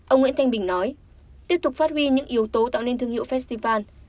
ông nguyễn thanh bình nói tiếp tục phát huy những yếu tố tạo nên thương hiệu festival